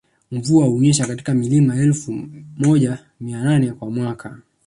Mvua hunyesha kati ya milimita elfu moja mia nane kwa mwaka